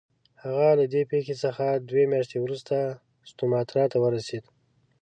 هغه له دې پیښې څخه دوې میاشتې وروسته سوماټرا ته ورسېد.